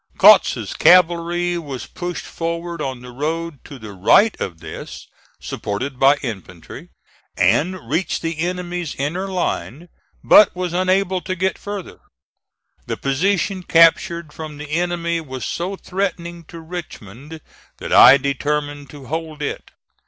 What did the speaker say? Kautz's cavalry was pushed forward on the road to the right of this, supported by infantry, and reached the enemy's inner line, but was unable to get further. The position captured from the enemy was so threatening to Richmond, that I determined to hold it.